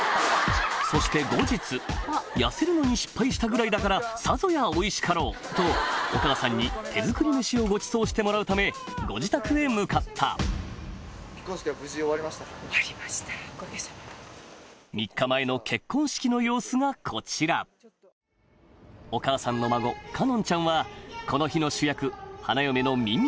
そして後日痩せるのに失敗したぐらいだからさぞやおいしかろうとお母さんに手作り飯をごちそうしてもらうためご自宅へ向かった３日前の結婚式の様子がこちらお母さんの孫かのんちゃんはこの日の主役花嫁のミンミ